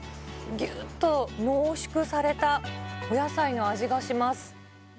ぎゅーっと濃縮されたお野菜の味がします。